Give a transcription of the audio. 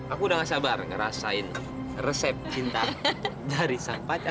aku udah gak sabar ngerasain resep cinta dari sang pacar